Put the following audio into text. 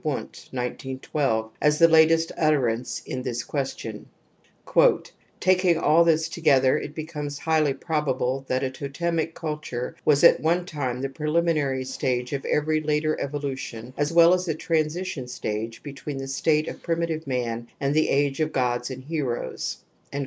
J^^rt) (1912), as the latest utterance on this questiwi ^:' Tak ing all this together it becomes highly probable that a tot emic culture was at one time the pre Imxi nary ^ stage of everyjaterevolut^ aswell as 'a transition stage betweenthe stateof primitive man and the age of gods and heroes.'